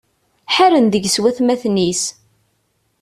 Ḥaren deg-s watmaten-is.